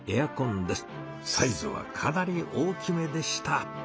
サイズはかなり大きめでした。